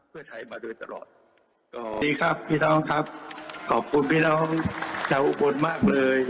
สวัสดีครับพี่น้องครับขอบคุณพี่น้องเจ้าบนมากเลย